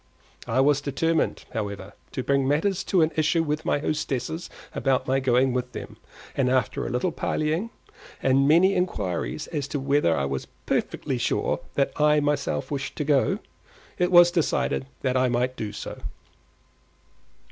I was determined, however, to bring matters to an issue with my hostess about my going with them, and after a little parleying, and many inquiries as to whether I was perfectly sure that I myself wished to go, it was decided that I might do so.